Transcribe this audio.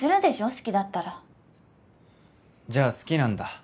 好きだったらじゃあ好きなんだ